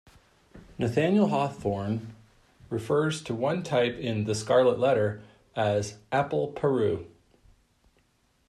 Nathaniel Hawthorne refers to one type in "The Scarlet Letter" as "apple-Peru".